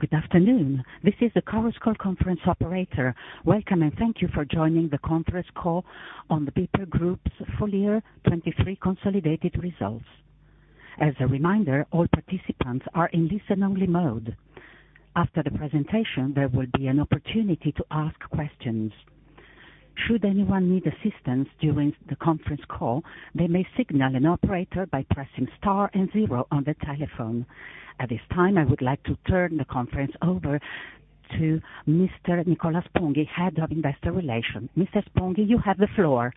Good afternoon. This is the Conference Call conference operator. Welcome, and thank you for joining the conference call on the BPER Group's full year 2023 consolidated results. As a reminder, all participants are in listen only mode. After the presentation, there will be an opportunity to ask questions. Should anyone need assistance during the conference call, they may signal an operator by pressing star and zero on the telephone. At this time, I would like to turn the conference over to Mr. Nicola Sponghi, head of investor relations. Mr. Sponghi, you have the floor. ...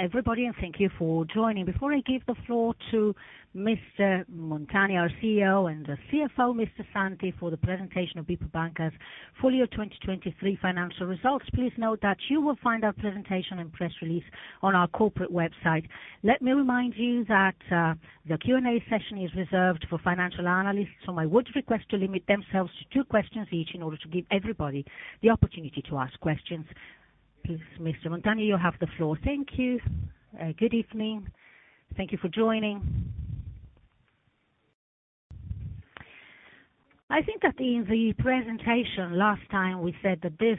Everybody, and thank you for joining. Before I give the floor to Mr. Montani, our CEO, and the CFO, Mr. Santi, for the presentation of BPER Banca's full year 2023 financial results, please note that you will find our presentation and press release on our corporate website. Let me remind you that the Q&A session is reserved for financial analysts, so I would request to limit themselves to two questions each in order to give everybody the opportunity to ask questions. Please, Mr. Montani, you have the floor. Thank you. Good evening. Thank you for joining. I think that in the presentation last time, we said that this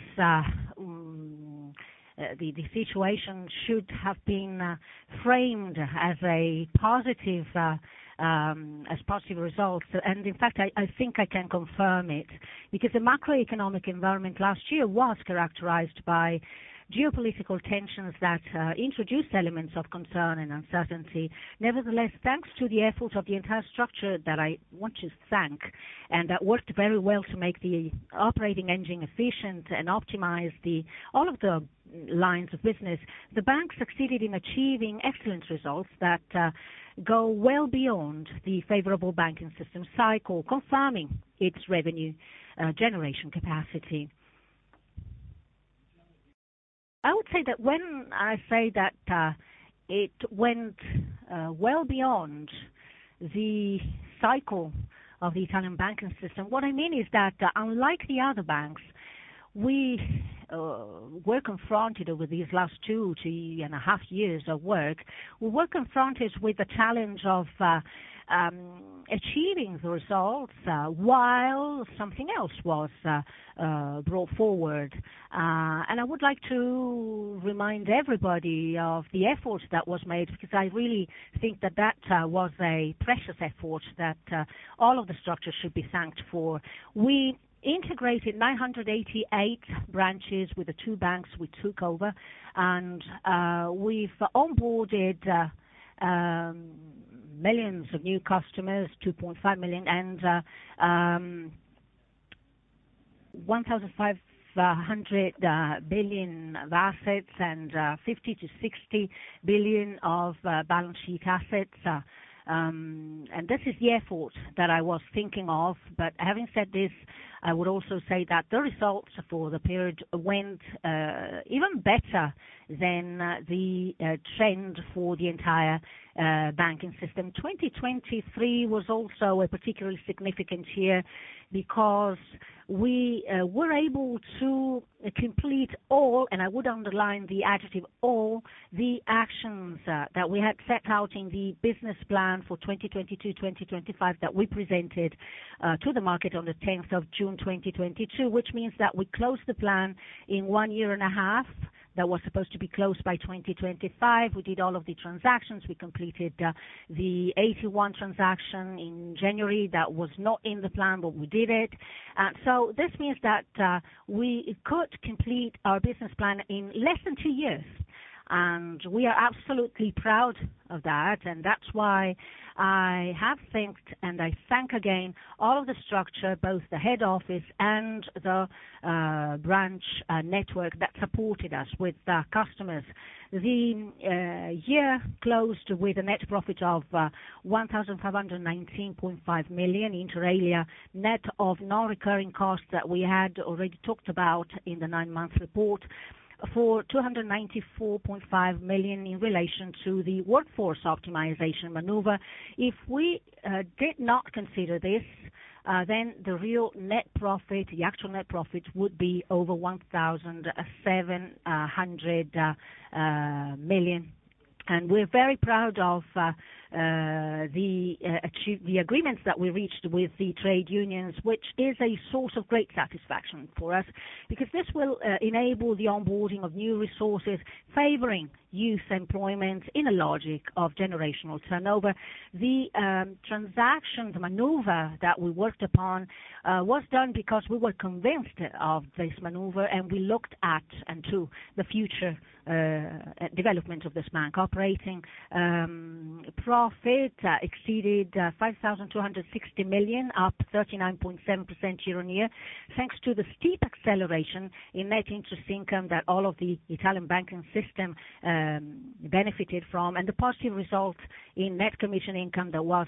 situation should have been framed as a positive as positive results. In fact, I, I think I can confirm it, because the macroeconomic environment last year was characterized by geopolitical tensions that introduced elements of concern and uncertainty. Nevertheless, thanks to the efforts of the entire structure that I want to thank, and that worked very well to make the operating engine efficient and optimize all of the lines of business. The bank succeeded in achieving excellent results that go well beyond the favorable banking system cycle, confirming its revenue generation capacity. I would say that when I say that it went well beyond the cycle of the Italian banking system, what I mean is that unlike the other banks, we were confronted over these last 2-2.5 years of work. We were confronted with the challenge of achieving the results while something else was brought forward. And I would like to remind everybody of the effort that was made, because I really think that that was a precious effort that all of the structures should be thanked for. We integrated 988 branches with the two banks we took over, and we've onboarded millions of new customers, 2.5 million, and 1,500 billion of assets and 50-60 billion of balance sheet assets. And this is the effort that I was thinking of. But having said this, I would also say that the results for the period went even better than the trend for the entire banking system. 2023 was also a particularly significant year because we were able to complete all, and I would underline the adjective, all the actions that we had set out in the business plan for 2022-2025, that we presented to the market on the 10th of June, 2022. Which means that we closed the plan in one year and a half. That was supposed to be closed by 2025. We did all of the transactions. We completed the 81 transaction in January. That was not in the plan, but we did it. So this means that we could complete our business plan in less than two years, and we are absolutely proud of that, and that's why I have thanked, and I thank again, all of the structure, both the head office and the branch network that supported us with the customers. The year closed with a net profit of 1,519.5 million, inter alia, net of non-recurring costs that we had already talked about in the nine-month report for EUR 294.5 million in relation to the workforce optimization maneuver. If we did not consider this, then the real net profit, the actual net profit, would be over 1,700 million. We're very proud of the agreements that we reached with the trade unions, which is a source of great satisfaction for us. Because this will enable the onboarding of new resources, favoring youth employment in a logic of generational turnover. The transaction, the maneuver that we worked upon, was done because we were convinced of this maneuver, and we looked at and to the future development of this bank. Operating profit exceeded 5,260 million, up 39.7% year-on-year, thanks to the steep acceleration in net interest income that all of the Italian banking system benefited from, and the positive results in net commission income that was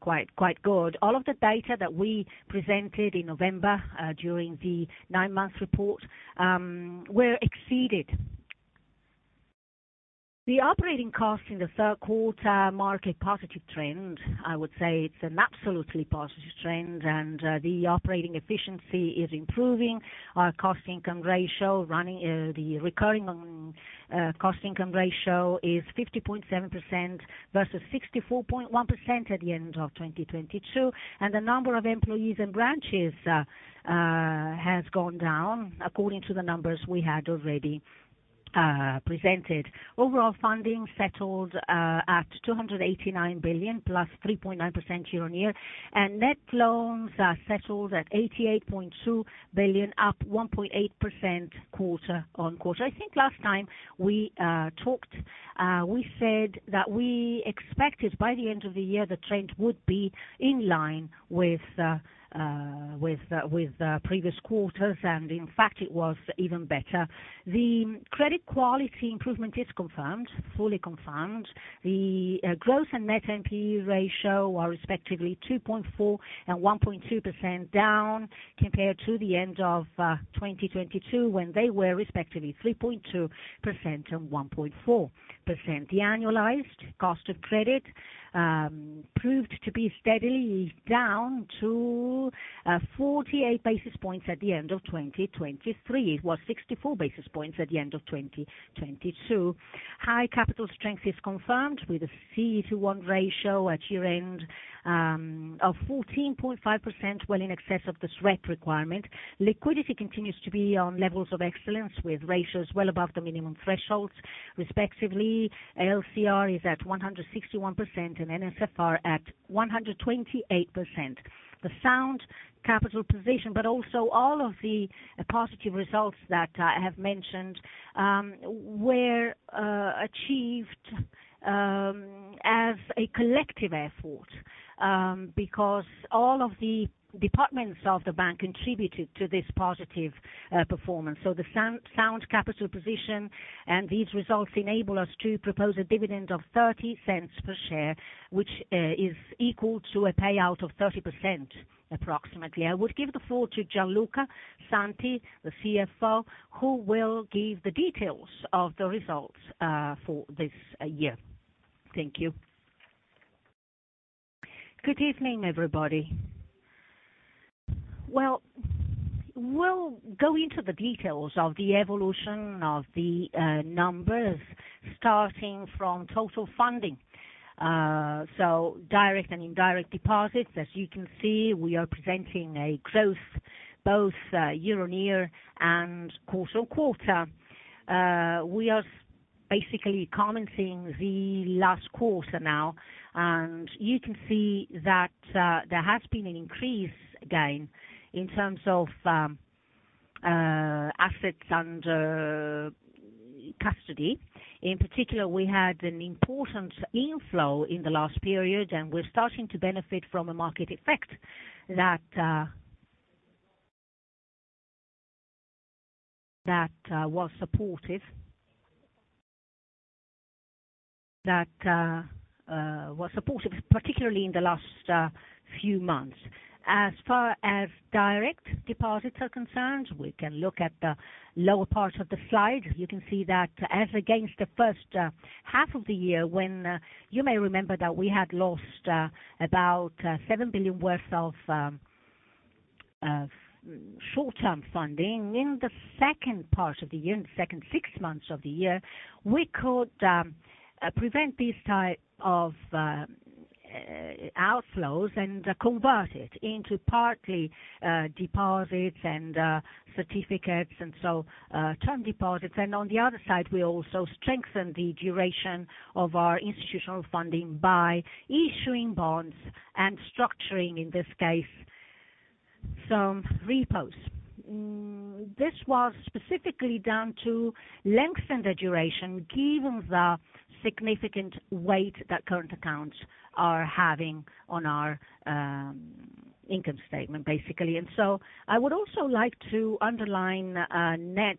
quite good. All of the data that we presented in November during the nine-month report were exceeded. The operating costs in the third quarter mark a positive trend. I would say it's an absolutely positive trend, and the operating efficiency is improving. Our cost income ratio running, the recurring cost income ratio is 50.7% versus 64.1% at the end of 2022, and the number of employees and branches has gone down according to the numbers we had already presented. Overall funding settled at 289 billion, +3.9% year-on-year, and net loans are settled at 88.2 billion, up 1.8% quarter-over-quarter. I think last time we talked, we said that we expected by the end of the year, the trend would be in line with previous quarters, and in fact, it was even better. The credit quality improvement is confirmed, fully confirmed. The gross and net NPE ratio are respectively 2.4% and 1.2% down, compared to the end of 2022, when they were respectively 3.2% and 1.4%. The annualized cost of credit proved to be steadily down to 48 basis points at the end of 2023. It was 64 basis points at the end of 2022. High capital strength is confirmed with a CET1 ratio at year-end of 14.5%, well in excess of the SREP requirement. Liquidity continues to be on levels of excellence, with ratios well above the minimum thresholds. Respectively, LCR is at 161% and NSFR at 128%. The sound capital position, but also all of the positive results that I have mentioned, were achieved as a collective effort, because all of the departments of the bank contributed to this positive, performance. So the sound, sound capital position, and these results enable us to propose a dividend of 0.30 per share, which, is equal to a payout of 30%, approximately. I would give the floor to Gian Luca Santi, the CFO, who will give the details of the results, for this, year. Thank you. Good evening, everybody. Well, we'll go into the details of the evolution of the, numbers starting from total funding. So direct and indirect deposits, as you can see, we are presenting a growth both year-over-year and quarter-over-quarter. We are basically commenting the last quarter now, and you can see that there has been an increase, again, in terms of assets under custody. In particular, we had an important inflow in the last period, and we're starting to benefit from a market effect that was supportive, particularly in the last few months. As far as direct deposits are concerned, we can look at the lower part of the slide. You can see that as against the first half of the year, when you may remember that we had lost about 7 billion worth of short-term funding. In the second part of the year, in the second six months of the year, we could prevent these type of outflows and convert it into partly deposits and certificates, and so term deposits. On the other side, we also strengthened the duration of our institutional funding by issuing bonds and structuring, in this case, some repos. This was specifically down to lengthen the duration, given the significant weight that current accounts are having on our income statement, basically. I would also like to underline net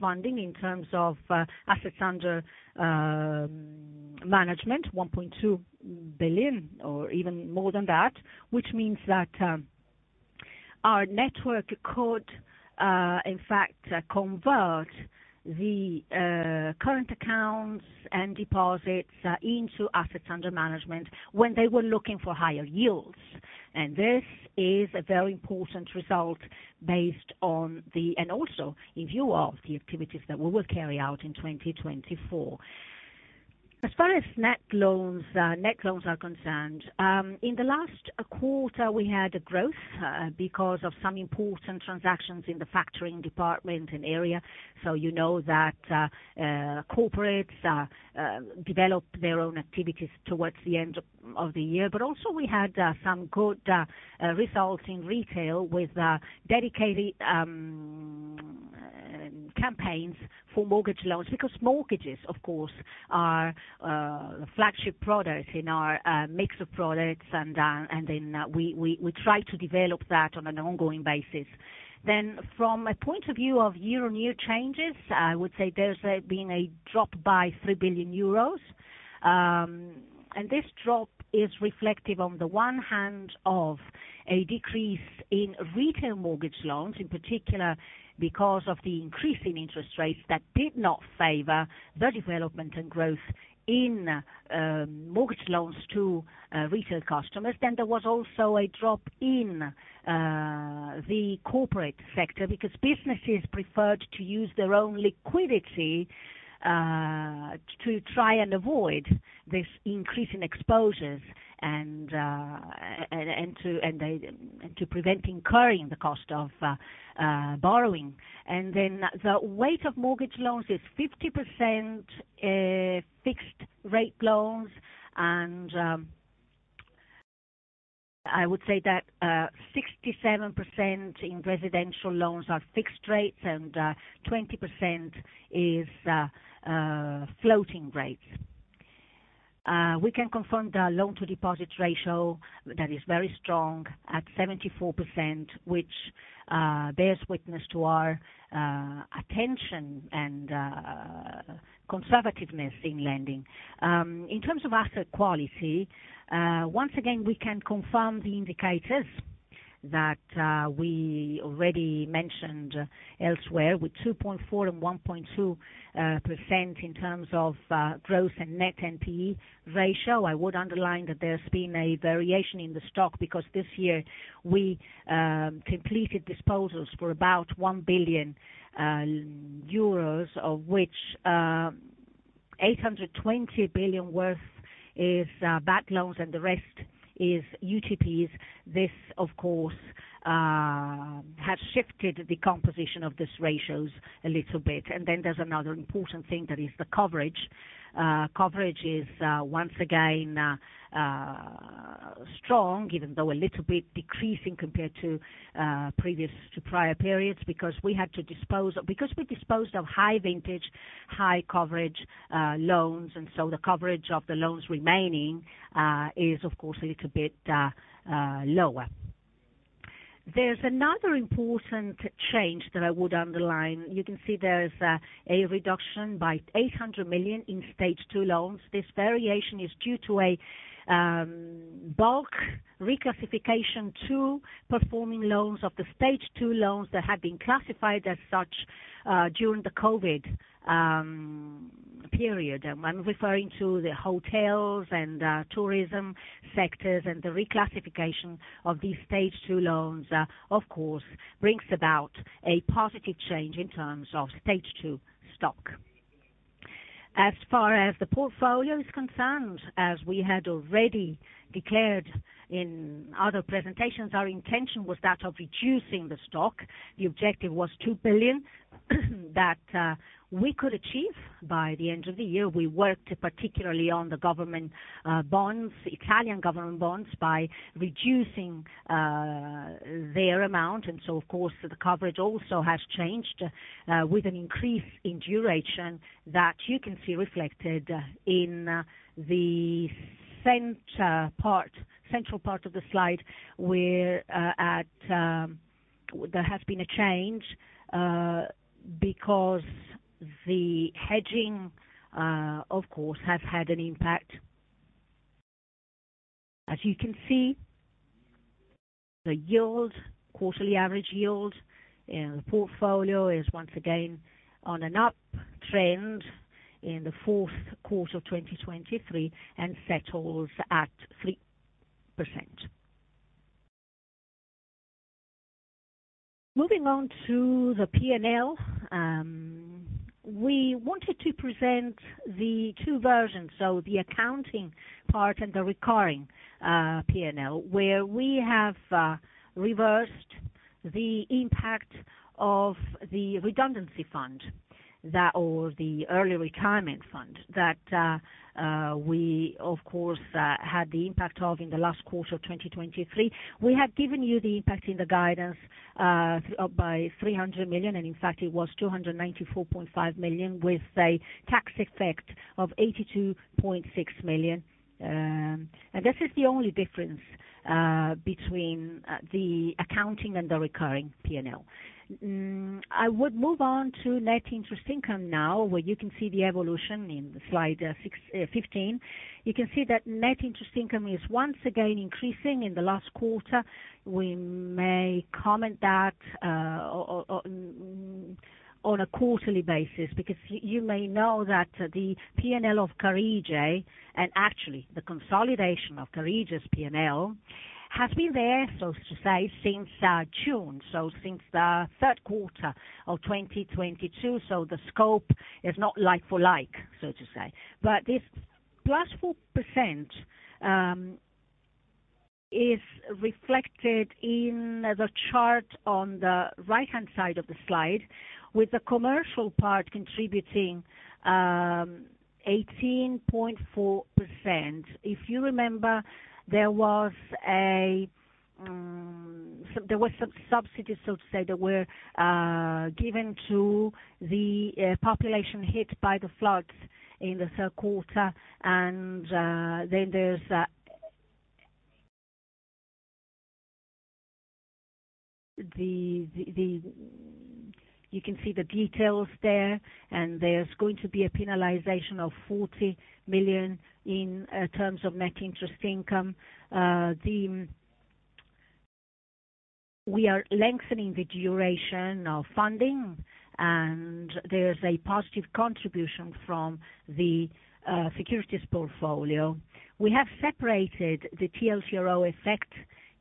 funding in terms of assets under management, 1.2 billion, or even more than that, which means that our network could in fact convert the current accounts and deposits into assets under management when they were looking for higher yields. This is a very important result based on the, and also in view of the activities that we will carry out in 2024. As far as net loans, net loans are concerned, in the last quarter, we had a growth, because of some important transactions in the factoring department and area. So you know that, corporates, develop their own activities towards the end of, of the year. But also we had, some good, results in retail with, dedicated, campaigns for mortgage loans, because mortgages, of course, are, flagship products in our, mix of products. And, and then we, we, we try to develop that on an ongoing basis. Then from a point of view of year-on-year changes, I would say there's, been a drop by 3 billion euros. This drop is reflective, on the one hand, of a decrease in retail mortgage loans, in particular, because of the increase in interest rates that did not favor the development and growth in mortgage loans to retail customers. Then there was also a drop in the corporate sector, because businesses preferred to use their own liquidity to try and avoid this increase in exposures and to prevent incurring the cost of borrowing. And then the weight of mortgage loans is 50% fixed rate loans, and I would say that 67% in residential loans are fixed rates and 20% is floating rates. We can confirm the loan to deposit ratio that is very strong at 74%, which bears witness to our attention and conservativeness in lending. In terms of asset quality, once again, we can confirm the indicators that we already mentioned elsewhere, with 2.4% and 1.2% in terms of growth and net NPE ratio. I would underline that there's been a variation in the stock, because this year we completed disposals for about 1 billion euros, of which 820 million worth is bad loans, and the rest is UTPs. This, of course, has shifted the composition of these ratios a little bit. And then there's another important thing, that is the coverage. Coverage is once again strong, even though a little bit decreasing compared to previous to prior periods, because we disposed of high vintage, high coverage loans, and so the coverage of the loans remaining is of course a little bit lower. There's another important change that I would underline. You can see there's a reduction by 800 million in Stage 2 loans. This variation is due to a bulk reclassification to performing loans of the Stage 2 loans that had been classified as such during the COVID period. I'm referring to the hotels and tourism sectors, and the reclassification of these Stage 2 loans of course brings about a positive change in terms of Stage 2 stock. As far as the portfolio is concerned, as we had already declared in other presentations, our intention was that of reducing the stock. The objective was 2 billion, that, we could achieve by the end of the year. We worked particularly on the government, bonds, Italian government bonds, by reducing, their amount. And so of course, the coverage also has changed, with an increase in duration that you can see reflected, in, the center part, central part of the slide, where, at, there has been a change, because the hedging, of course, has had an impact. As you can see, the yield, quarterly average yield in the portfolio is once again on an uptrend in the fourth quarter of 2023 and settles at 3%. Moving on to the P&L, we wanted to present the two versions, so the accounting part and the recurring P&L, where we have reversed the impact of the redundancy fund, that or the early retirement fund, that we of course had the impact of in the last quarter of 2023. We had given you the impact in the guidance by 300 million, and in fact, it was 294.5 million, with a tax effect of 82.6 million. This is the only difference between the accounting and the recurring P&L. I would move on to net interest income now, where you can see the evolution in the slide 615. You can see that net interest income is once again increasing in the last quarter. We may comment that on a quarterly basis, because you may know that the P&L of Carige, and actually the consolidation of Carige's P&L, has been there, so to say, since June, so since the third quarter of 2022. So the scope is not like for like, so to say. But this +4% is reflected in the chart on the right-hand side of the slide, with the commercial part contributing 18.4%. If you remember, there were some subsidies, so to say, that were given to the population hit by the floods in the third quarter. And then there's the... You can see the details there, and there's going to be a penalization of 40 million in terms of net interest income. We are lengthening the duration of funding, and there's a positive contribution from the securities portfolio. We have separated the TLTRO effect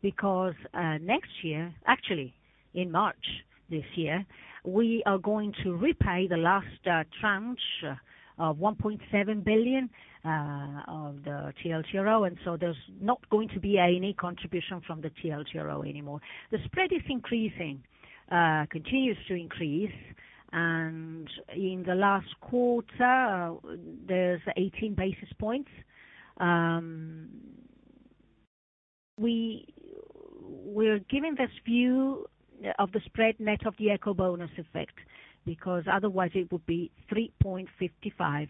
because next year, actually in March this year, we are going to repay the last tranche of 1.7 billion of the TLTRO, and so there's not going to be any contribution from the TLTRO anymore. The spread is increasing, continues to increase, and in the last quarter, there's 18 basis points. We're giving this view of the spread net of the ecobonus effect, because otherwise it would be 3.55,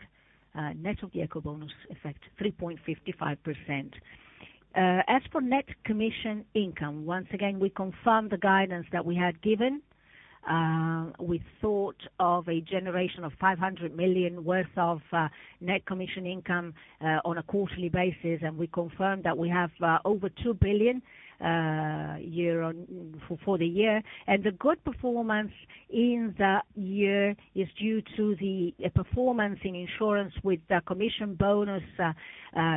net of the ecobonus effect, 3.55%. As for net commission income, once again, we confirm the guidance that we had given. We thought of a generation of 500 million worth of net commission income on a quarterly basis, and we confirmed that we have over 2 billion for the year. And the good performance in the year is due to the performance in insurance with the commission bonus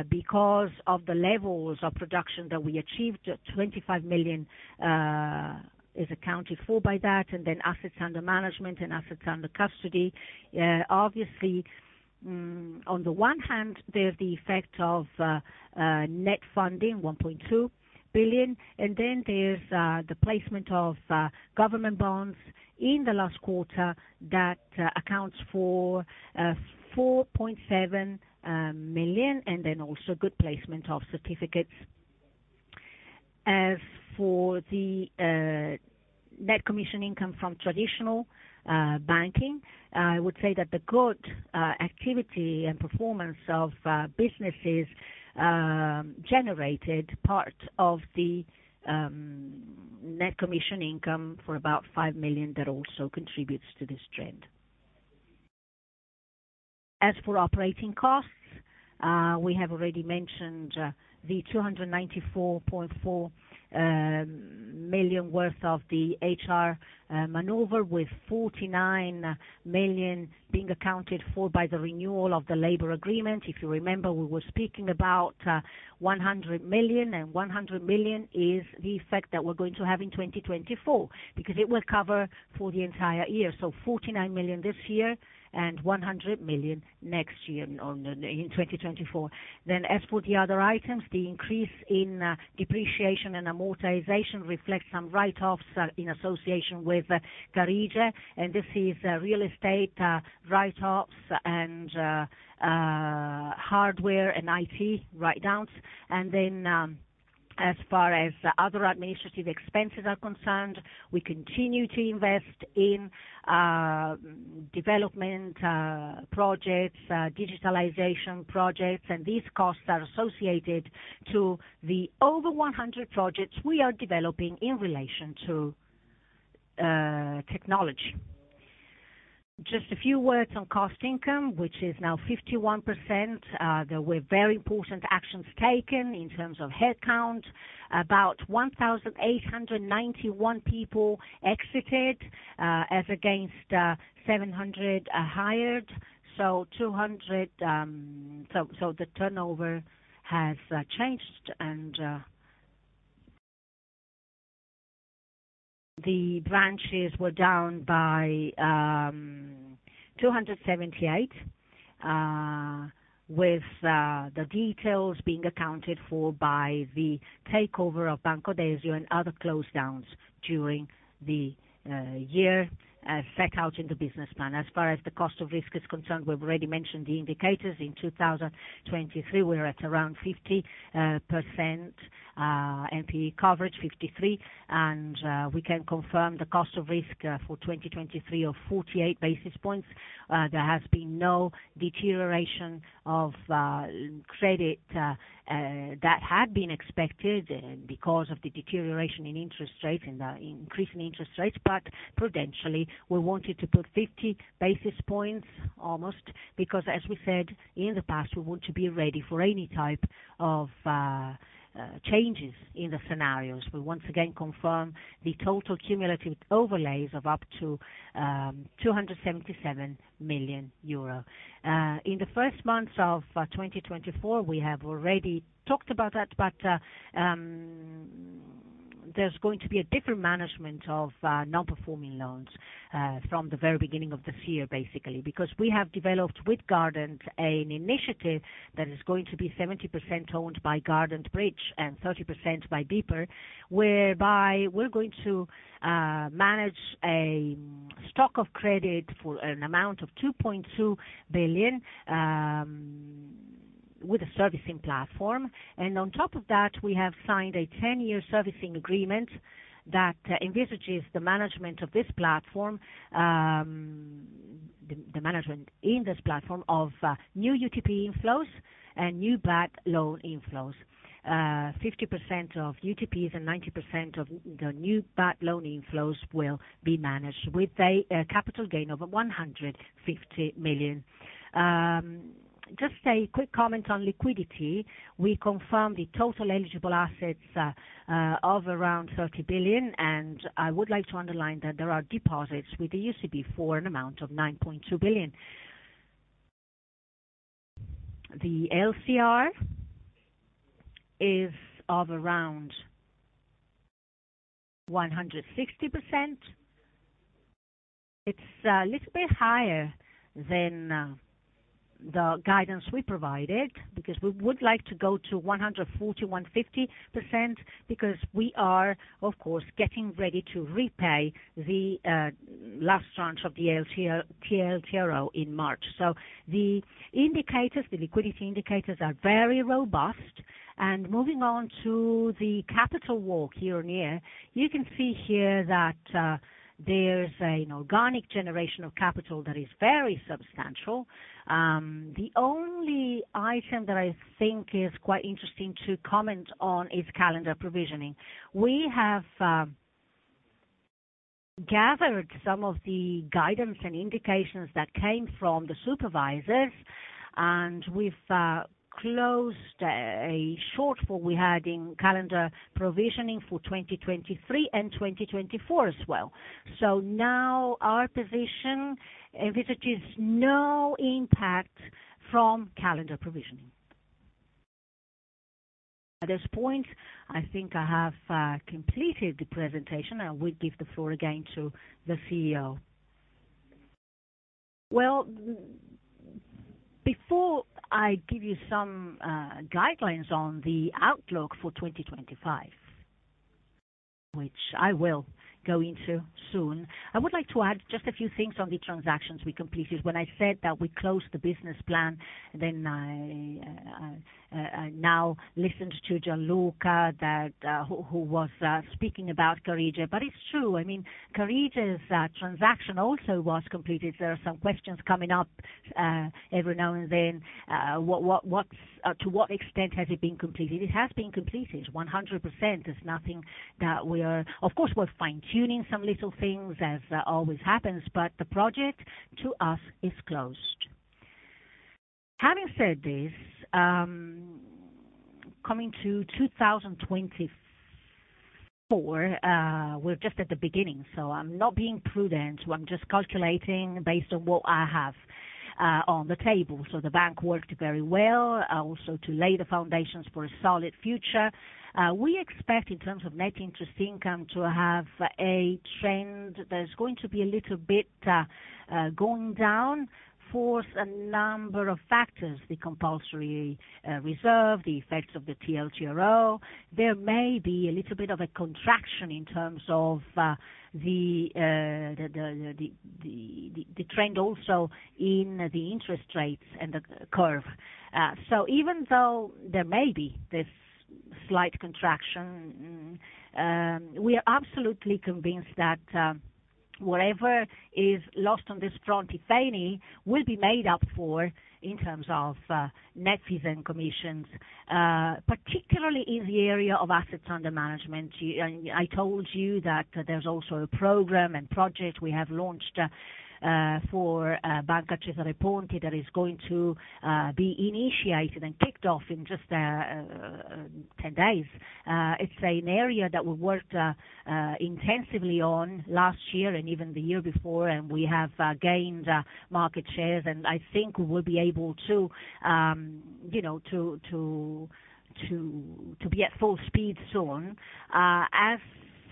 because of the levels of production that we achieved. 25 million is accounted for by that, and then assets under management and assets under custody. Obviously, on the one hand, there's the effect of net funding, 1.2 billion, and then there's the placement of government bonds in the last quarter that accounts for 4.7 million, and then also good placement of certificates. As for the net commission income from traditional banking, I would say that the good activity and performance of businesses generated part of the net commission income for about 5 million that also contributes to this trend. As for operating costs, we have already mentioned the 294.4 million worth of the HR maneuver, with 49 million being accounted for by the renewal of the labor agreement. If you remember, we were speaking about 100 million, and 100 million is the effect that we're going to have in 2024, because it will cover for the entire year. So 49 million this year and 100 million next year in 2024. Then as for the other items, the increase in depreciation and amortization reflects some write-offs in association with Carige, and this is real estate write-offs and hardware and IT write-downs. And then, as far as other administrative expenses are concerned, we continue to invest in development projects, digitalization projects, and these costs are associated to the over 100 projects we are developing in relation to technology. Just a few words on cost income, which is now 51%. There were very important actions taken in terms of headcount. About 1,891 people exited, as against 700 are hired, so 200... So the turnover has changed, and the branches were down by 278, with the details being accounted for by the takeover of Banco Desio and other closedowns during the year, set out in the business plan. As far as the cost of risk is concerned, we've already mentioned the indicators. In 2023, we're at around 50% NPE coverage, 53%, and we can confirm the cost of risk for 2023 of 48 basis points. There has been no deterioration of credit that had been expected because of the deterioration in interest rates and the increase in interest rates. But prudentially, we wanted to put 50 basis points almost, because as we said in the past, we want to be ready for any type of changes in the scenarios. We once again confirm the total cumulative overlays of up to 277 million euro. In the first months of 2024, we have already talked about that, but there's going to be a different management of non-performing loans from the very beginning of this year, basically. Because we have developed with Gardant an initiative that is going to be 70% owned by Gardant Bridge and 30% by BPER, whereby we're going to manage a stock of credit for an amount of 2.2 billion with a servicing platform. And on top of that, we have signed a 10-year servicing agreement that envisages the management of this platform, the management in this platform of new UTP inflows and new bad loan inflows. 50% of UTPs and 90% of the new bad loan inflows will be managed with a capital gain of 150 million. Just a quick comment on liquidity. We confirm the total eligible assets of around 30 billion, and I would like to underline that there are deposits with the ECB for an amount of 9.2 billion. The LCR is of around 160%. It's a little bit higher than the guidance we provided, because we would like to go to 140-150%, because we are, of course, getting ready to repay the last tranche of the LCR TLTRO in March. So the indicators, the liquidity indicators are very robust. And moving on to the capital walk year-on-year, you can see here that there's an organic generation of capital that is very substantial. The only item that I think is quite interesting to comment on is calendar provisioning. We have gathered some of the guidance and indications that came from the supervisors, and we've closed a shortfall we had in calendar provisioning for 2023 and 2024 as well. So now our position vis-à-vis is no impact from calendar provisioning. At this point, I think I have completed the presentation. I will give the floor again to the CEO. Well, before I give you some guidelines on the outlook for 2025, which I will go into soon, I would like to add just a few things on the transactions we completed. When I said that we closed the business plan, then I now listened to Gian Luca, that who was speaking about Carige. But it's true, I mean, Carige's transaction also was completed. There are some questions coming up every now and then. To what extent has it been completed? It has been completed 100%. There's nothing that we are... Of course, we're fine-tuning some little things, as always happens, but the project to us is closed. Having said this, coming to 2024, we're just at the beginning, so I'm not being prudent. I'm just calculating based on what I have on the table. So the bank worked very well, also to lay the foundations for a solid future. We expect, in terms of net interest income, to have a trend that is going to be a little bit going down for a number of factors, the compulsory reserve, the effects of the TLTRO. There may be a little bit of a contraction in terms of the trend also in the interest rates and the curve. So even though there may be this slight contraction, we are absolutely convinced that, whatever is lost on this front, if any, will be made up for in terms of, net fees and commissions, particularly in the area of assets under management. And I told you that there's also a program and project we have launched, for Banca Cesare Ponti, that is going to, be initiated and kicked off in just, 10 days. It's an area that we worked intensively on last year and even the year before, and we have gained market shares, and I think we'll be able to, you know, to be at full speed soon.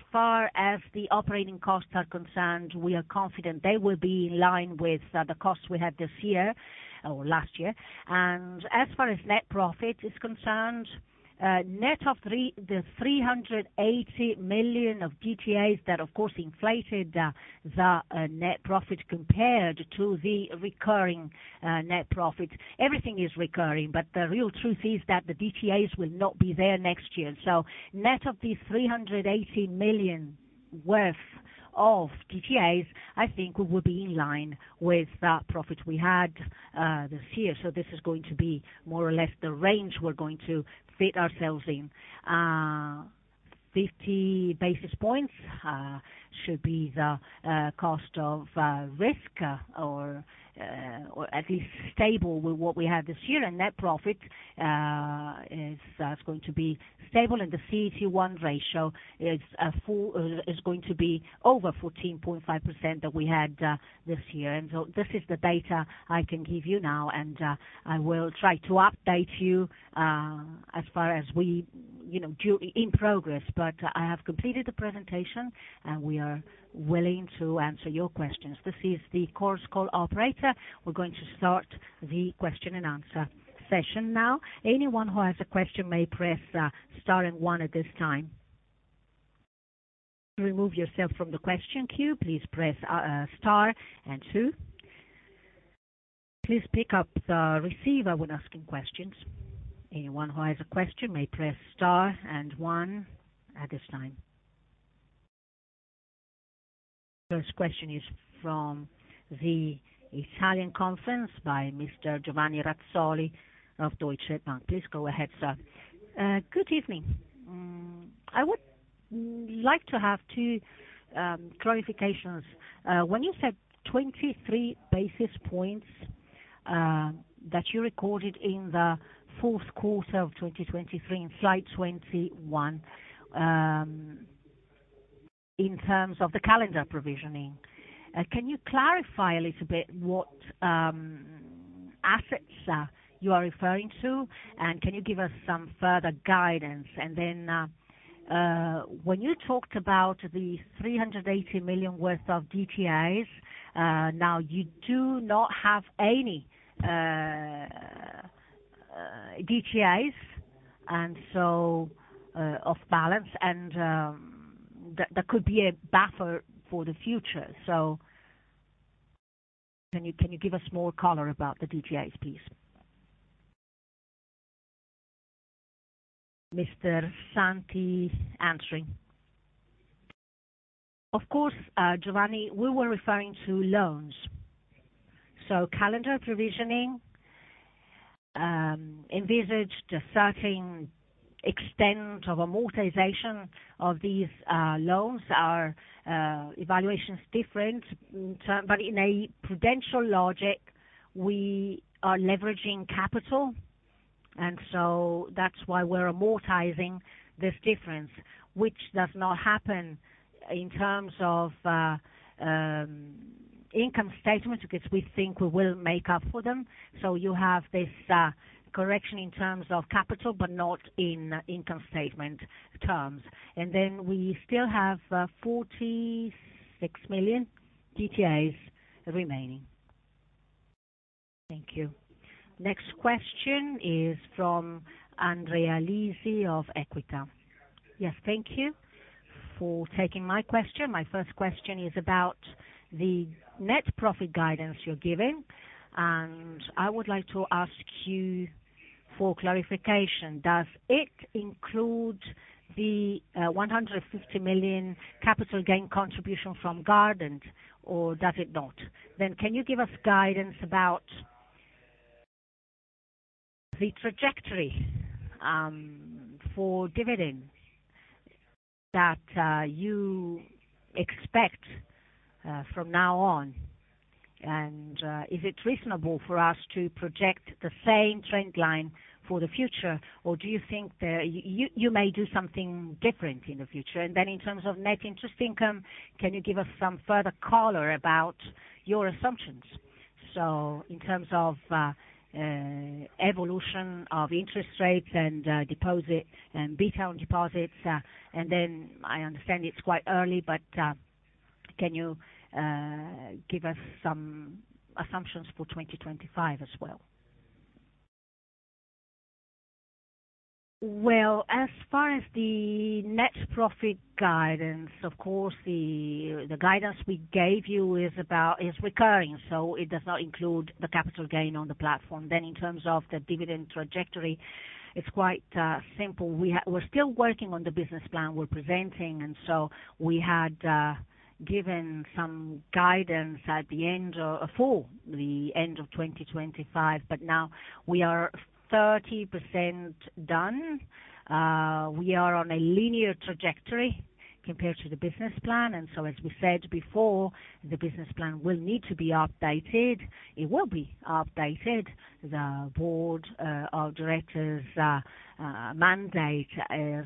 As far as the operating costs are concerned, we are confident they will be in line with the costs we had this year or last year. And as far as net profit is concerned, net of the three hundred and eighty million of DTAs that, of course, inflated the net profit compared to the recurring net profit. Everything is recurring, but the real truth is that the DTAs will not be there next year. So net of these 380 million worth of DTAs, I think we will be in line with the profit we had this year. So this is going to be more or less the range we're going to fit ourselves in. Fifty basis points should be the cost of risk or at least stable with what we had this year. And net profit is going to be stable, and the CET1 ratio is going to be over 14.5% that we had this year. And so this is the data I can give you now, and I will try to update you as far as we, you know, during in progress. But I have completed the presentation, and we are willing to answer your questions. This is the conference call operator. We're going to start the question and answer session now. Anyone who has a question may press star and one at this time. To remove yourself from the question queue, please press star and two. Please pick up the receiver when asking questions. Anyone who has a question may press star and one at this time. First question is from the Italian conference by Mr. Giovanni Razzoli of Deutsche Bank. Please go ahead, sir. Good evening. I would like to have two clarifications. When you said 23 basis points that you recorded in the fourth quarter of 2023 in slide 21 in terms of the calendar provisioning. Can you clarify a little bit what assets you are referring to? And can you give us some further guidance? And then, when you talked about the 380 million worth of DTAs, now you do not have any DTAs, and so off balance, and that could be a buffer for the future. So can you, can you give us more color about the DTAs, please? Mr. Santi answering. Of course, Giovanni, we were referring to loans. So calendar provisioning envisaged a certain extent of amortization of these loans. Our evaluation is different in term, but in a prudential logic, we are leveraging capital, and so that's why we're amortizing this difference, which does not happen in terms of income statement, because we think we will make up for them. So you have this correction in terms of capital, but not in income statement terms. And then we still have 46 million DTAs remaining. Thank you. Next question is from Andrea Lisi of Equita. Yes, thank you for taking my question. My first question is about the net profit guidance you're giving, and I would like to ask you for clarification. Does it include the 150 million capital gain contribution from Gardant, or does it not? Then, can you give us guidance about the trajectory for dividends that you expect from now on? And, is it reasonable for us to project the same trend line for the future, or do you think that you, you, you may do something different in the future? And then in terms of net interest income, can you give us some further color about your assumptions? So in terms of evolution of interest rates and deposit and beta on deposits, and then I understand it's quite early, but can you give us some assumptions for 2025 as well? Well, as far as the net profit guidance, of course, the guidance we gave you is recurring, so it does not include the capital gain on the platform. Then in terms of the dividend trajectory, it's quite simple. We're still working on the business plan we're presenting, and so we had given some guidance for the end of 2025, but now we are 30% done. We are on a linear trajectory compared to the business plan, and so as we said before, the business plan will need to be updated. It will be updated. The board of directors mandate is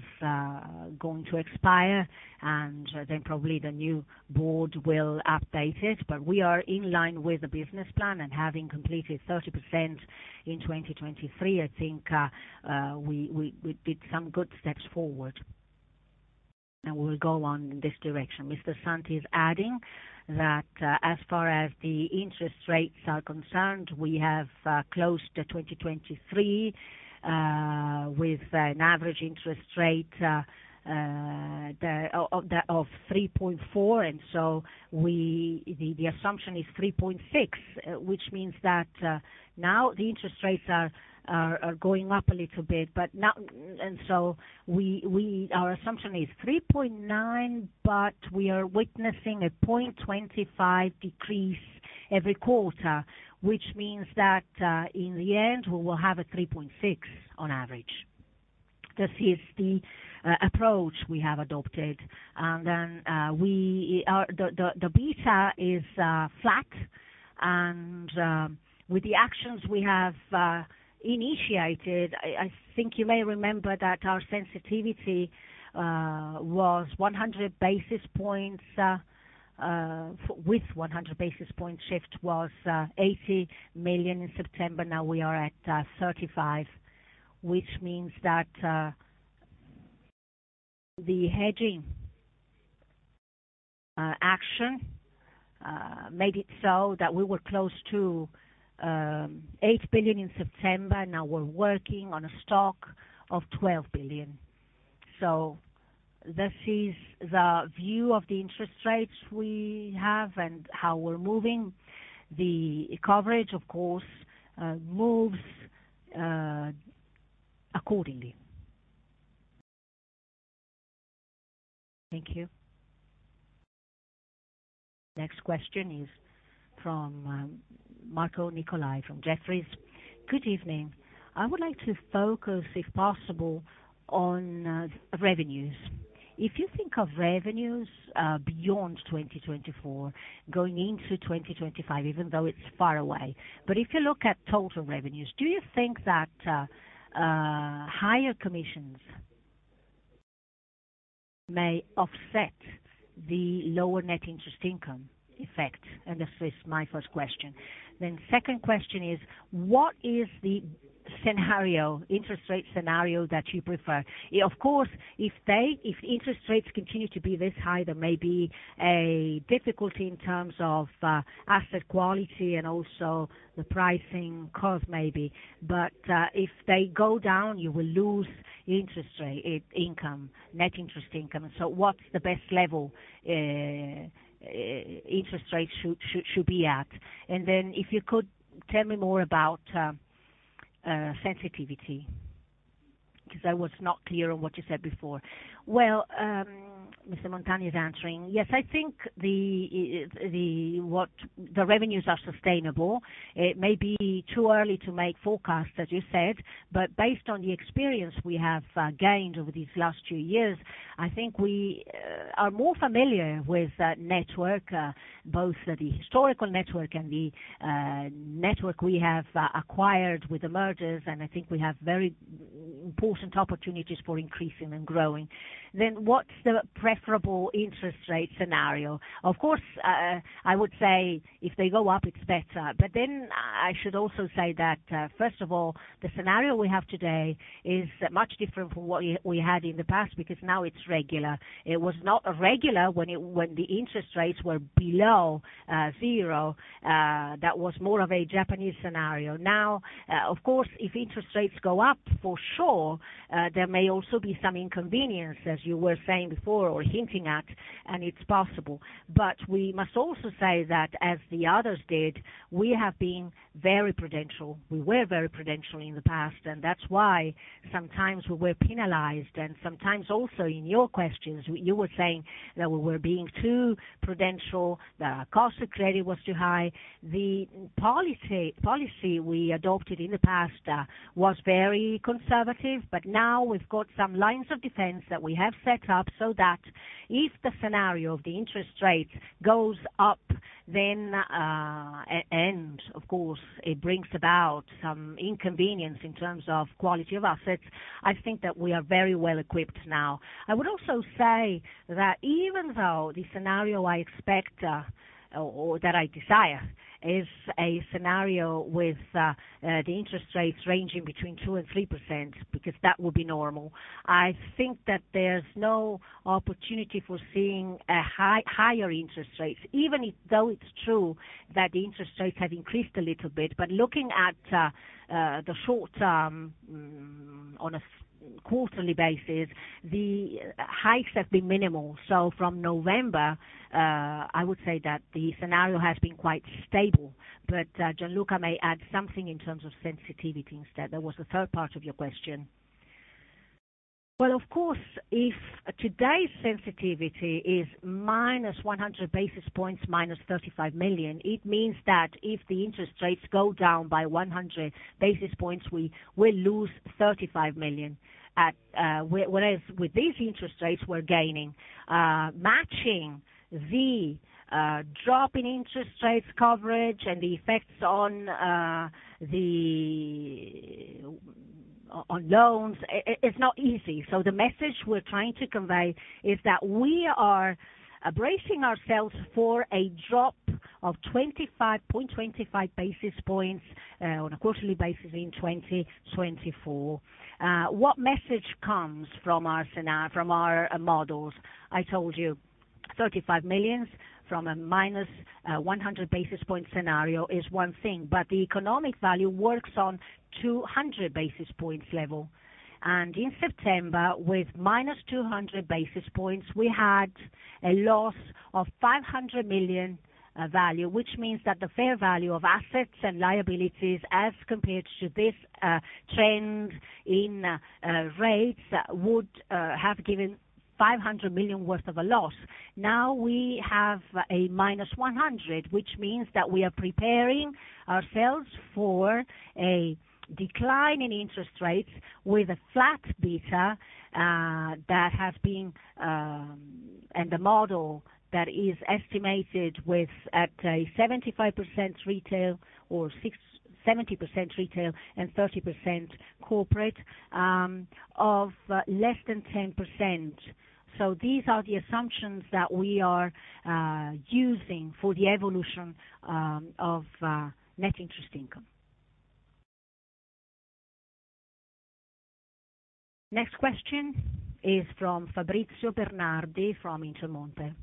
going to expire, and then probably the new board will update it. But we are in line with the business plan and having completed 30% in 2023, I think, we did some good steps forward, and we will go on in this direction. Mr. Santi is adding that, as far as the interest rates are concerned, we have closed the 2023 with an average interest rate of 3.4, and so the assumption is 3.6. Which means that, now the interest rates are going up a little bit, but not... And so our assumption is 3.9, but we are witnessing a 0.25 decrease every quarter, which means that, in the end, we will have a 3.6 on average. This is the approach we have adopted. And then, the beta is flat, and with the actions we have initiated, I think you may remember that our sensitivity was 100 basis points with 100 basis point shift, was 80 million in September. Now we are at 35, which means that the hedging action made it so that we were close to 8 billion in September. Now we're working on a stock of 12 billion. So this is the view of the interest rates we have and how we're moving. The coverage, of course, moves accordingly. Thank you. Next question is from Marco Nicolai, from Jefferies. Good evening. I would like to focus, if possible, on revenues. If you think of revenues beyond 2024, going into 2025, even though it's far away, but if you look at total revenues, do you think that higher commissions may offset the lower net interest income effect, and this is my first question. Then second question is, what is the scenario, interest rate scenario that you prefer? Of course, if they, if interest rates continue to be this high, there may be a difficulty in terms of asset quality and also the pricing cost, maybe. But, if they go down, you will lose interest rate income, net interest income. So what's the best level interest rates should be at? And then if you could tell me more about sensitivity, because I was not clear on what you said before. Well, Mr. Montani is answering. Yes, I think the revenues are sustainable. It may be too early to make forecasts, as you said, but based on the experience we have gained over these last two years, I think we are more familiar with that network, both the historical network and the network we have acquired with the mergers. And I think we have very important opportunities for increasing and growing. Then what's the preferable interest rate scenario? Of course, I would say if they go up, it's better. But then I should also say that, first of all, the scenario we have today is much different from what we had in the past, because now it's regular. It was not regular when the interest rates were below zero, that was more of a Japanese scenario. Now, of course, if interest rates go up, for sure, there may also be some inconvenience, as you were saying before or hinting at, and it's possible. But we must also say that, as the others did, we have been very prudential. We were very prudential in the past, and that's why sometimes we were penalized. And sometimes also in your questions, you were saying that we were being too prudential, that our cost of credit was too high. The policy we adopted in the past was very conservative, but now we've got some lines of defense that we have set up so that if the scenario of the interest rate goes up, then and of course, it brings about some inconvenience in terms of quality of assets. I think that we are very well equipped now. I would also say that even though the scenario I expect, or that I desire, is a scenario with the interest rates ranging between 2% and 3%, because that would be normal, I think that there's no opportunity for seeing higher interest rates, even if though it's true that the interest rates have increased a little bit. But looking at the short term, on a quarterly basis, the hikes have been minimal. So from November, I would say that the scenario has been quite stable. But Gian Luca may add something in terms of sensitivity instead. That was the third part of your question. Well, of course, if today's sensitivity is -100 basis points, -35 million, it means that if the interest rates go down by 100 basis points, we will lose 35 million at, whereas, with these interest rates, we're gaining. Matching the, drop in interest rates coverage and the effects on, the, on loans, it's not easy. So the message we're trying to convey is that we are bracing ourselves for a drop of 25.25 basis points, on a quarterly basis in 2024. What message comes from our scenar- from our models? I told you, 35 million from a minus, 100 basis point scenario is one thing, but the economic value works on 200 basis points level. In September, with -200 basis points, we had a loss of 500 million value, which means that the fair value of assets and liabilities, as compared to this trend in rates, would have given 500 million worth of a loss. Now, we have a -100, which means that we are preparing ourselves for a decline in interest rates with a flat beta that has been, and the model that is estimated with at a 75% retail or 67% retail and 30% corporate, of less than 10%. So these are the assumptions that we are using for the evolution of net interest income. Next question is from Fabrizio Bernardi, from Intermonte.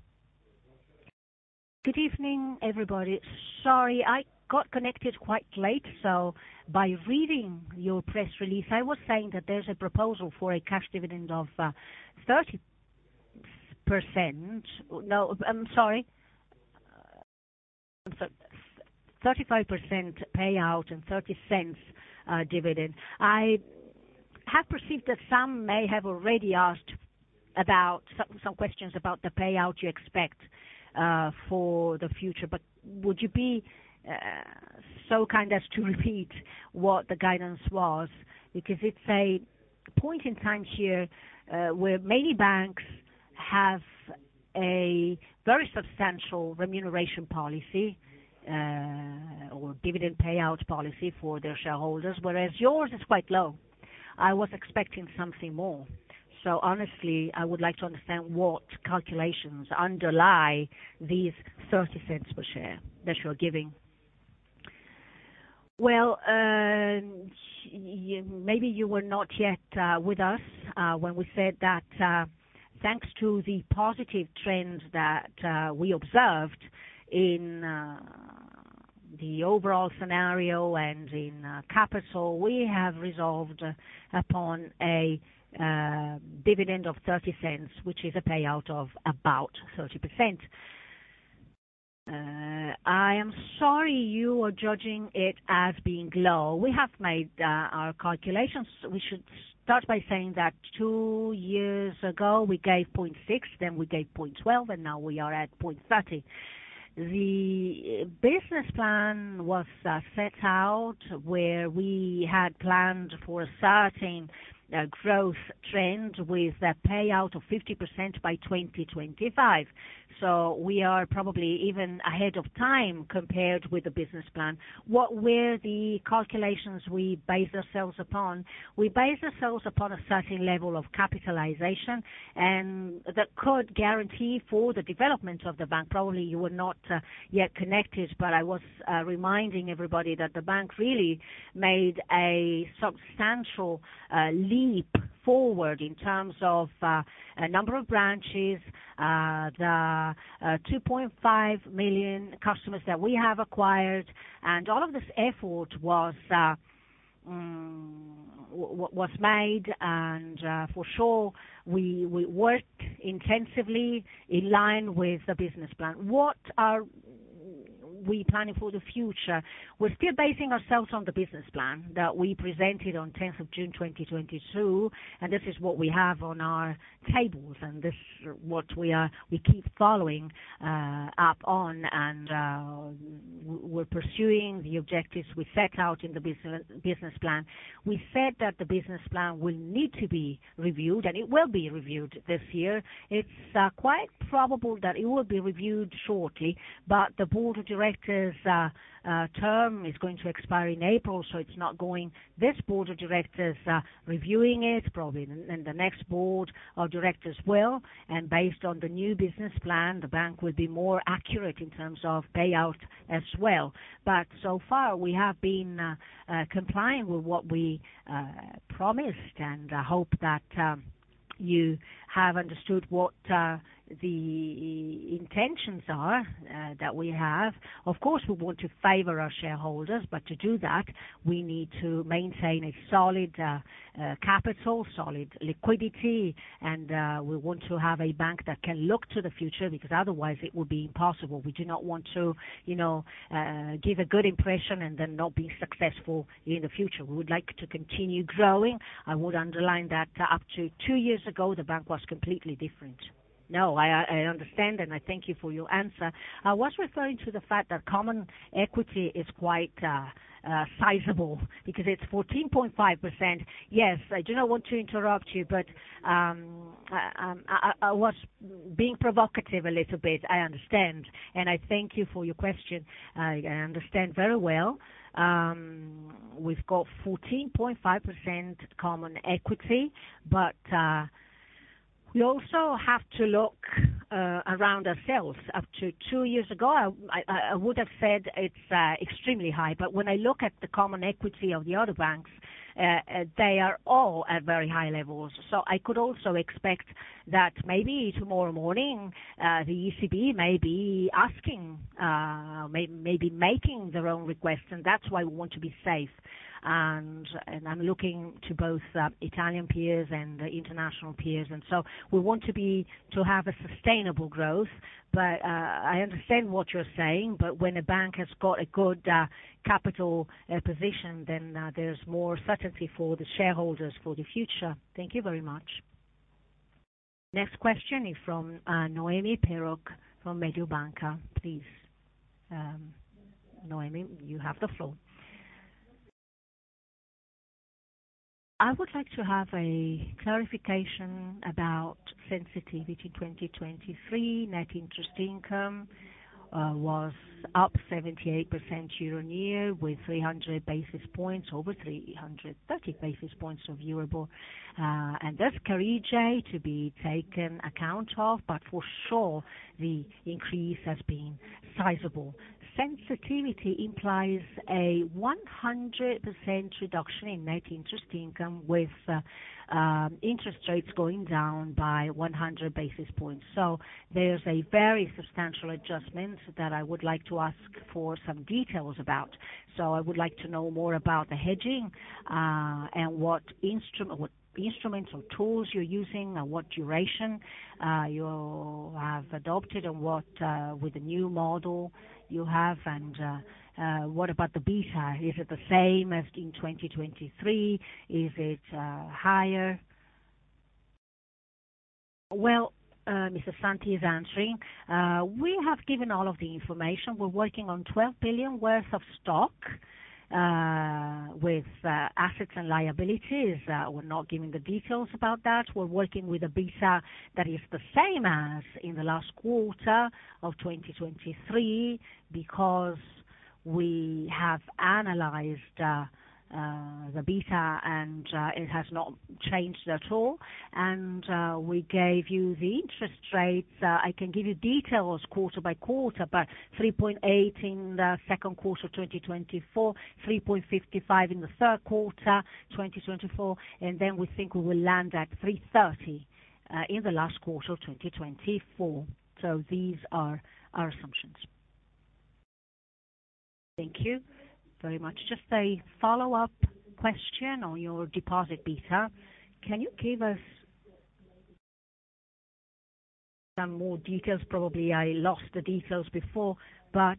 Good evening, everybody. Sorry, I got connected quite late, so by reading your press release, I was saying that there's a proposal for a cash dividend of 30%. No, I'm sorry, 35% payout and 0.30 dividend. I have perceived that some may have already asked about some questions about the payout you expect for the future, but would you be so kind as to repeat what the guidance was? Because it's a point in time here where many banks have a very substantial remuneration policy or dividend payout policy for their shareholders, whereas yours is quite low. I was expecting something more. So honestly, I would like to understand what calculations underlie these 0.30 per share that you're giving. Well, maybe you were not yet with us when we said that, thanks to the positive trends that we observed in the overall scenario and in capital, we have resolved upon a dividend of 0.30, which is a payout of about 30%. I am sorry you are judging it as being low. We have made our calculations. We should start by saying that two years ago, we gave 0.06, then we gave 0.12, and now we are at 0.30. The business plan was set out where we had planned for a certain growth trend with a payout of 50% by 2025. So we are probably even ahead of time compared with the business plan. What were the calculations we based ourselves upon? We based ourselves upon a certain level of capitalization, and that could guarantee for the development of the bank. Probably you were not yet connected, but I was reminding everybody that the bank really made a substantial leap forward in terms of a number of branches, the 2.5 million customers that we have acquired, and all of this effort was made, and for sure, we worked intensively in line with the business plan. What are we planning for the future? We're still basing ourselves on the business plan that we presented on tenth of June 2022, and this is what we have on our tables, and this what we are—we keep following up on, and we're pursuing the objectives we set out in the business plan. We said that the business plan will need to be reviewed, and it will be reviewed this year. It's quite probable that it will be reviewed shortly, but the board of directors' term is going to expire in April, so it's not going... This board of directors are reviewing it, probably then, then the next board of directors will, and based on the new business plan, the bank will be more accurate in terms of payout as well. But so far, we have been complying with what we promised, and I hope that you have understood what the intentions are that we have. Of course, we want to favor our shareholders, but to do that, we need to maintain a solid, capital, solid liquidity, and, we want to have a bank that can look to the future, because otherwise it will be impossible. We do not want to, you know, give a good impression and then not be successful in the future. We would like to continue growing. I would underline that up to two years ago, the bank was completely different. No, I understand, and I thank you for your answer. I was referring to the fact that common equity is quite, sizable, because it's 14.5%. Yes, I do not want to interrupt you, but, I was being provocative a little bit. I understand, and I thank you for your question. I understand very well. We've got 14.5% common equity, but we also have to look around ourselves. Up to two years ago, I would have said it's extremely high, but when I look at the common equity of the other banks, they are all at very high levels. So I could also expect that maybe tomorrow morning, the ECB may be asking, maybe making their own requests, and that's why we want to be safe. And I'm looking to both Italian peers and the international peers, and so we want to have a sustainable growth. But I understand what you're saying, but when a bank has got a good capital position, then there's more certainty for the shareholders for the future. Thank you very much. Next question is from Noemi Peruch from Mediobanca. Please, Noemi, you have the floor. I would like to have a clarification about sensitivity. 2023 net interest income was up 78% year-on-year, with 300 basis points, over 330 basis points viewable, and that's carry J to be taken account of, but for sure, the increase has been sizable. Sensitivity implies a 100% reduction in net interest income with interest rates going down by 100 basis points. So there's a very substantial adjustment that I would like to ask for some details about. So I would like to know more about the hedging, and what instruments or tools you're using and what duration you have adopted and what about the beta? Is it the same as in 2023? Is it higher? Well, Mr. Santi is answering. We have given all of the information. We're working on 12 billion worth of stock with assets and liabilities. We're not giving the details about that. We're working with a beta that is the same as in the last quarter of 2023, because we have analyzed the beta and it has not changed at all. We gave you the interest rates. I can give you details quarter by quarter, but 3.8 in the second quarter of 2024, 3.55 in the third quarter 2024, and then we think we will land at 3.30 in the last quarter of 2024. So these are our assumptions. Thank you very much. Just a follow-up question on your deposit beta. Can you give us some more details? Probably I lost the details before, but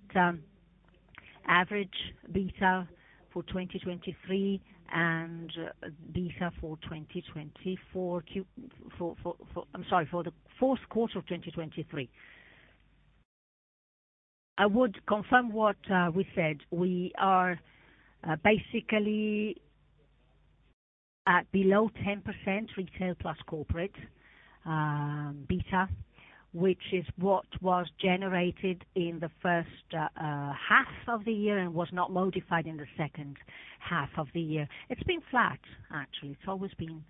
average beta for 2023 and beta for 2024, I'm sorry, for the fourth quarter of 2023. I would confirm what we said. We are basically at below 10% retail plus corporate beta, which is what was generated in the first half of the year and was not modified in the second half of the year. It's been flat, actually. It's always been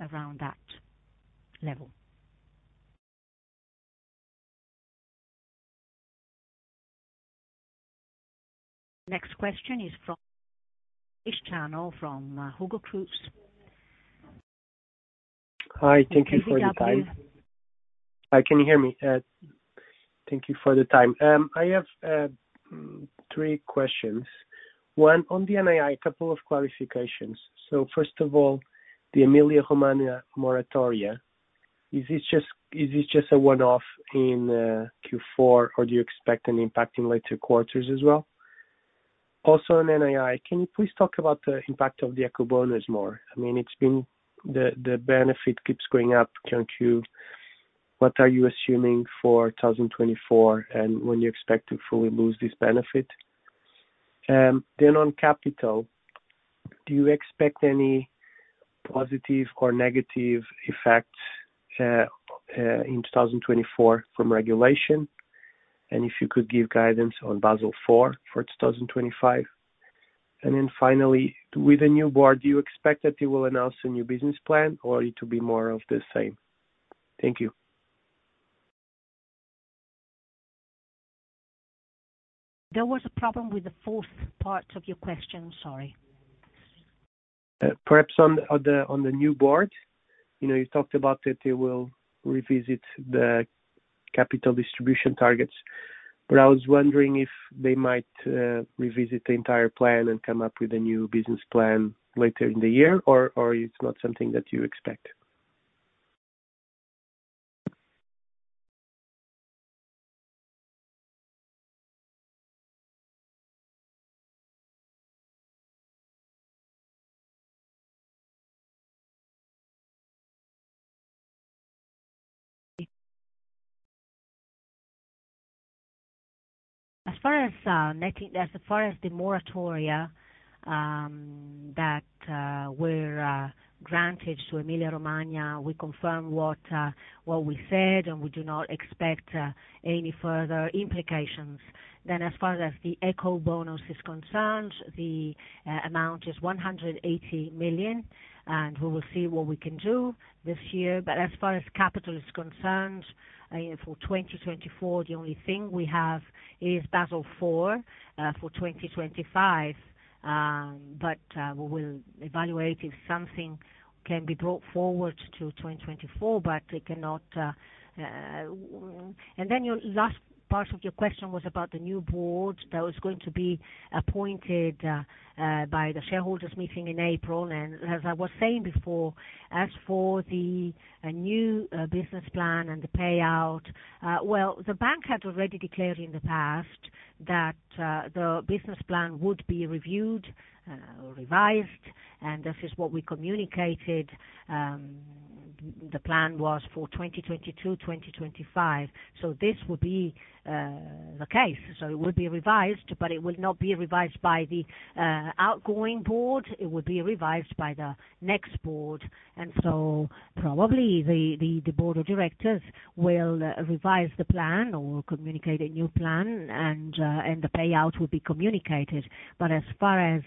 around that level. Next question is from this channel, from Hugo Cruz. Hi. Thank you for your time. Good afternoon. Hi, can you hear me? Thank you for the time. I have three questions. One, on the NII, a couple of clarifications. So first of all, the Emilia-Romagna moratoria, is it just, is it just a one-off in Q4, or do you expect an impact in later quarters as well? Also, on NII, can you please talk about the impact of the Ecobonus more? I mean, it's been... The benefit keeps going up, can you? What are you assuming for 2024, and when you expect to fully lose this benefit? Then on capital, do you expect any positive or negative effects in 2024 from regulation? And if you could give guidance on Basel IV for 2025. Finally, with the new board, do you expect that they will announce a new business plan or it will be more of the same? Thank you. There was a problem with the fourth part of your question, sorry. Perhaps on the new board. You know, you talked about that they will revisit the capital distribution targets, but I was wondering if they might revisit the entire plan and come up with a new business plan later in the year, or it's not something that you expect. As far as the moratoria that were granted to Emilia-Romagna, we confirm what we said, and we do not expect any further implications. Then as far as the Ecobonus is concerned, the amount is 180 million, and we will see what we can do this year. But as far as capital is concerned, yeah, for 2024, the only thing we have is Basel IV for 2025. But we will evaluate if something can be brought forward to 2024, but it cannot. And then your last part of your question was about the new board that was going to be appointed by the shareholders' meeting in April. And as I was saying before, as for the new business plan and the payout, well, the bank had already declared in the past that the business plan would be reviewed or revised, and this is what we communicated. The plan was for 2022-2025, so this would be the case. So it would be revised, but it would not be revised by the outgoing board. It would be revised by the next board, and so probably the board of directors will revise the plan or communicate a new plan, and the payout will be communicated. But as far as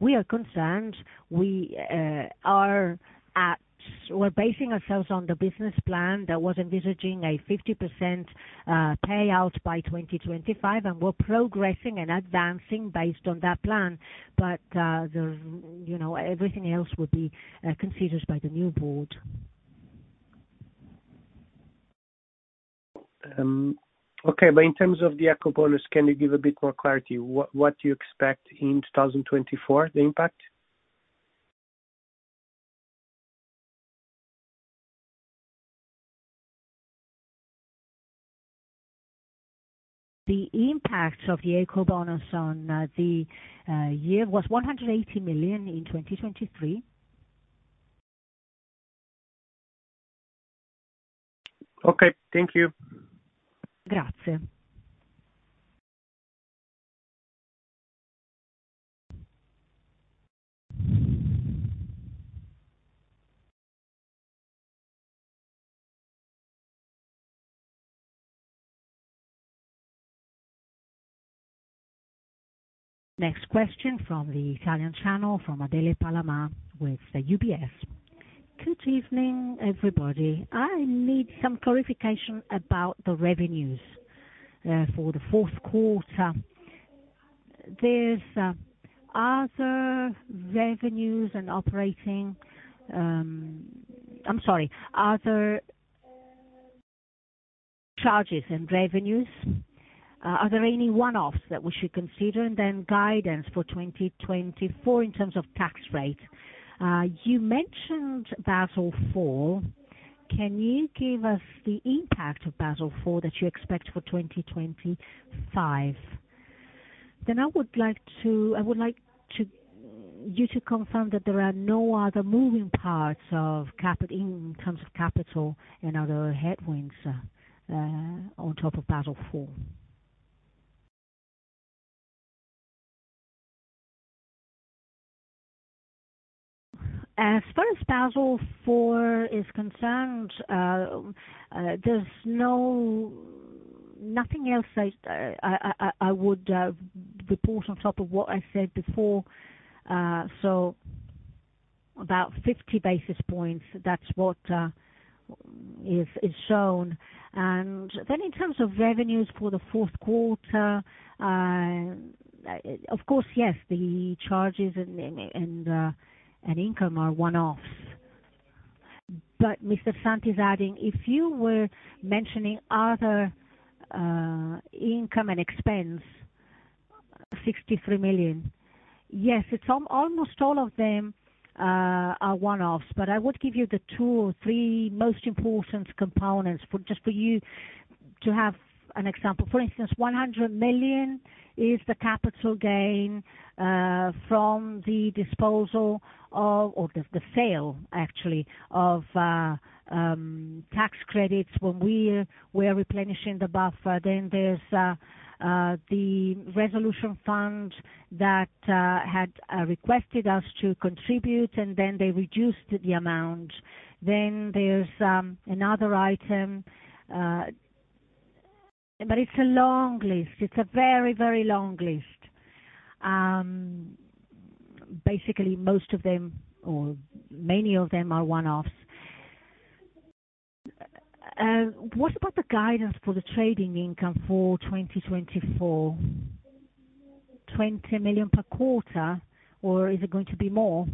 we are concerned, we're basing ourselves on the business plan that was envisaging a 50% payout by 2025, and we're progressing and advancing based on that plan. But, you know, everything else would be considered by the new board. Okay, but in terms of the Ecobonus, can you give a bit more clarity? What do you expect in 2024, the impact? The impact of the Ecobonus on the year was 180 million in 2023. Okay, thank you. Grazie. Next question from the Italian channel from Adele Palama with UBS. Good evening, everybody. I need some clarification about the revenues for the fourth quarter. There's other revenues and operating... I'm sorry, other charges and revenues. Are there any one-offs that we should consider? And then guidance for 2024 in terms of tax rate. You mentioned Basel IV. Can you give us the impact of Basel IV that you expect for 2025? Then I would like to, I would like you to confirm that there are no other moving parts of capital, in terms of capital and other headwinds on top of Basel IV. As far as Basel IV is concerned, there's no, nothing else I would report on top of what I said before. So about 50 basis points, that's what is shown. And then in terms of revenues for the fourth quarter, of course, yes, the charges and income are one-offs. But Mr. Santi is adding, if you were mentioning other income and expense, 63 million. Yes, it's almost all of them are one-offs, but I would give you the two or three most important components, just for you to have an example. For instance, 100 million is the capital gain from the disposal of, or the sale actually, of tax credits when we were replenishing the buffer. Then there's the resolution fund that had requested us to contribute, and then they reduced the amount. Then there's another item, but it's a long list. It's a very, very long list. Basically, most of them, or many of them are one-offs. What about the guidance for the trading income for 2024? 20 million per quarter, or is it going to be more?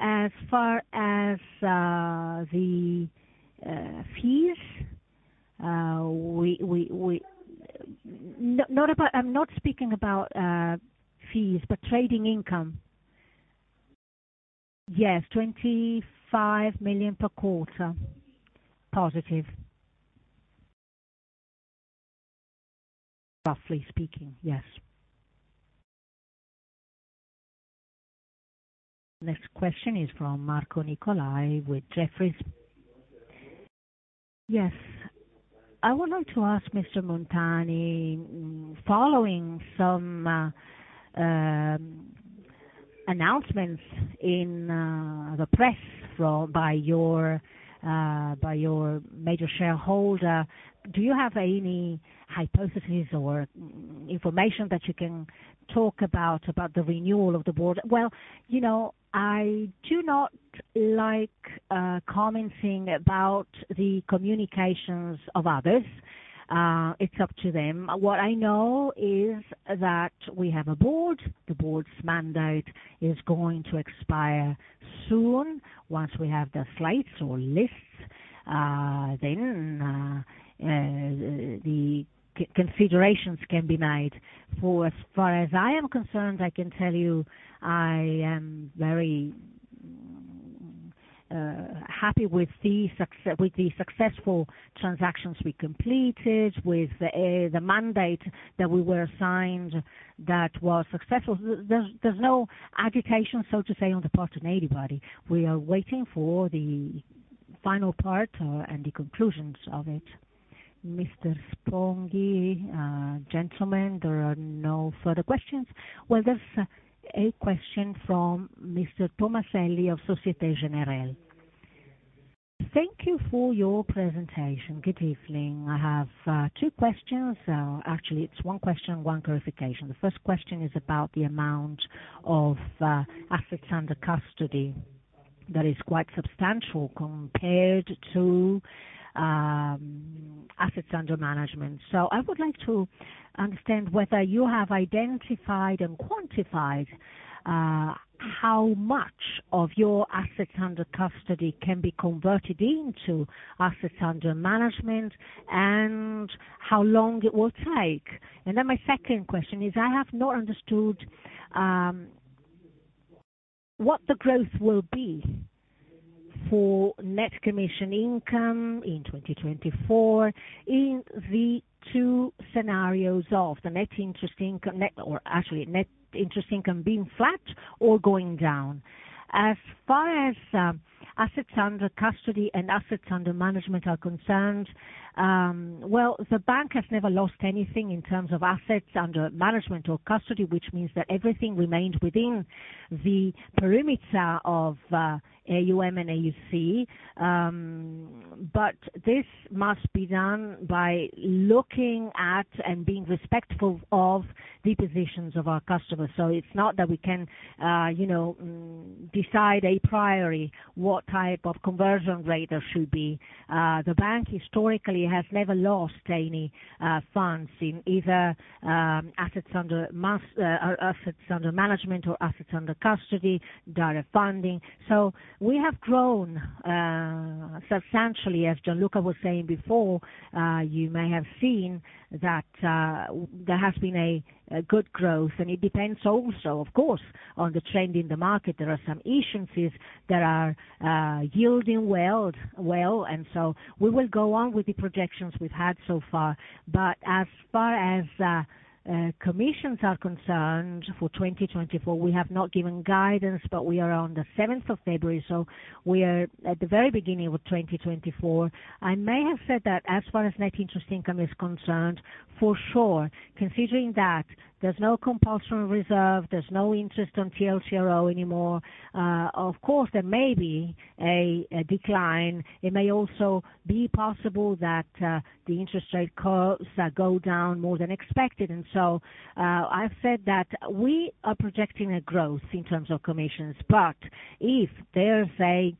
As far as the fees. Not, not about—I'm not speaking about fees, but trading income. Yes, 25 million per quarter. Positive. Roughly speaking, yes. Next question is from Marco Nicolai, with Jefferies. Yes. I would like to ask Mr. Montani, following some announcements in the press release by your major shareholder, do you have any hypotheses or information that you can talk about, about the renewal of the board? Well, you know, I do not like commenting about the communications of others. It's up to them. What I know is that we have a board. The board's mandate is going to expire soon. Once we have the slates or lists, then the configurations can be made. For as far as I am concerned, I can tell you, I am very happy with the success- with the successful transactions we completed, with the mandate that we were assigned that was successful. There's no agitation, so to say, on the part of anybody. We are waiting for the final part and the conclusions of it. Mr. Sponghi, gentlemen, there are no further questions? Well, there's a question from Mr. Tomaselli of Société Générale. Thank you for your presentation. Good evening. I have two questions. Actually, it's one question, one clarification. The first question is about the amount of assets under custody that is quite substantial compared to assets under management. So I would like to understand whether you have identified and quantified how much of your assets under custody can be converted into assets under management, and how long it will take. And then my second question is, I have not understood what the growth will be for net commission income in 2024, in the two scenarios of the net interest income net—or actually, net interest income being flat or going down. As far as assets under custody and assets under management are concerned, well, the bank has never lost anything in terms of assets under management or custody, which means that everything remains within the perimeter of AUM and AUC. But this must be done by looking at and being respectful of the positions of our customers. So it's not that we can you know decide a priori what type of conversion rate there should be. The bank historically has never lost any funds in either assets under management or assets under custody, direct funding. So we have grown substantially, as Gian Luca was saying before, you may have seen that there has been a good growth, and it depends also, of course, on the trend in the market. There are some issuances that are yielding well, well, and so we will go on with the projections we've had so far. But as far as commissions are concerned, for 2024, we have not given guidance, but we are on the seventh of February, so we are at the very beginning of 2024. I may have said that as far as net interest income is concerned, for sure, considering that there's no compulsory reserve, there's no interest on TLTRO anymore, of course, there may be a decline. It may also be possible that the interest rate curves go down more than expected. And so, I've said that we are projecting a growth in terms of commissions, but if there's a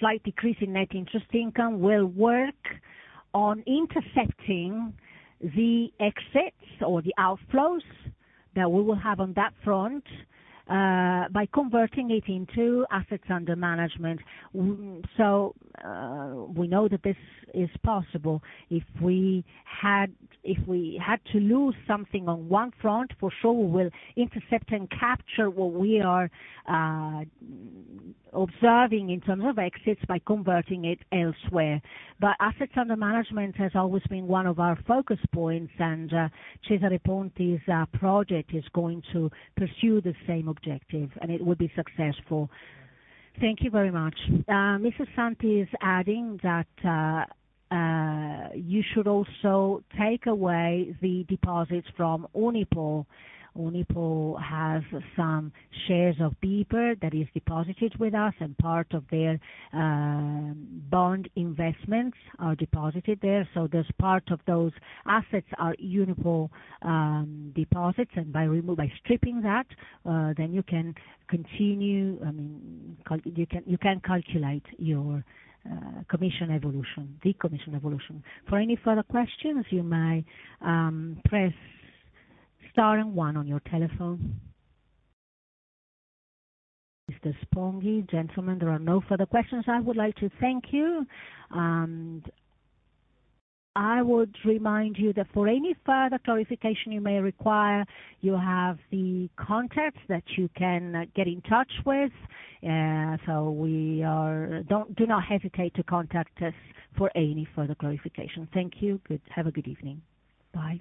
slight decrease in net interest income, we'll work on intercepting the exits or the outflows that we will have on that front by converting it into assets under management. So, we know that this is possible. If we had to lose something on one front, for sure, we will intercept and capture what we are observing in terms of exits by converting it elsewhere. But assets under management has always been one of our focus points, and Cesare Ponti's project is going to pursue the same objective, and it will be successful. Thank you very much. Mr. Santi is adding that you should also take away the deposits from Unipol. Unipol has some shares of BPER that is deposited with us, and part of their, bond investments are deposited there. So there's part of those assets are Unipol, deposits, and by stripping that, then you can continue, I mean, you can, you can calculate your, commission evolution, the commission evolution. For any further questions, you may, press Star and One on your telephone. Mr. Sponghi, gentlemen, there are no further questions. I would like to thank you, and I would remind you that for any further clarification you may require, you have the contacts that you can get in touch with. So we are... Do not hesitate to contact us for any further clarification. Thank you. Good, have a good evening. Bye.